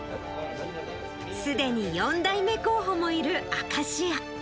すでに４代目候補もいるアカシア。